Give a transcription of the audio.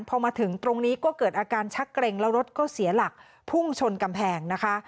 พอมาถึงตรงนี้ก็เกิดอาการชักเกร็งแล้วรถก็เสียหลักพุ่งชนกำแพงนะคะ